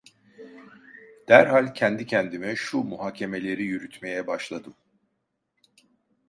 Derhal kendi kendime şu muhakemeleri yürütmeye başladım: